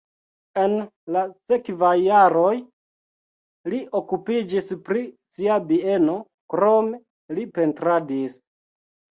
En la sekvaj jaroj li okupiĝis pri sia bieno, krome li pentradis.